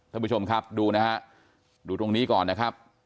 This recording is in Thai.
ท่านผู้ชมครับดูนะฮะดูตรงนี้ก่อนนะครับ